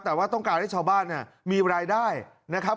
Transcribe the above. แต่ว่าต้องการให้ชาวบ้านเนี่ยมีรายได้นะครับ